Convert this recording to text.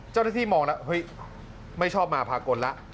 เจ้าหน้าที่มองแล้วเฮ้ยไม่ชอบมาพากลแล้ว